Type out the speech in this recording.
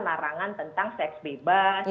narangan tentang seks bebas